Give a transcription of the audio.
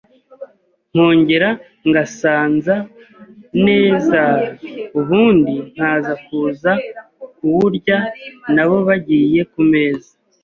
nkongera ngasanza nezaaa, ubundi Nkaza kuza kuwurya nabo bagiye ku meza.